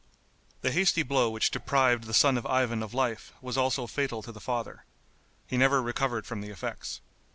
The hasty blow which deprived the son of Ivan of life was also fatal to the father. He never recovered from the effects.